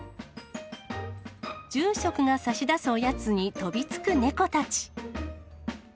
住職が差し出すおやつに飛びつく猫たち。